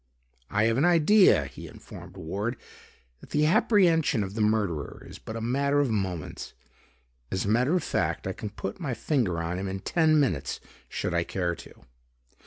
"I have an idea," he informed Ward, "that the apprehension of the murderer is but a matter of moments. As a matter of fact, I can put my finger on him in ten minutes should I care to."